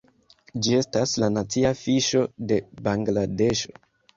Ĝi estas la nacia fiŝo de Bangladeŝo.